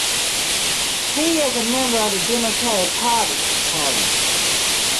He is member of the Democratic Party party.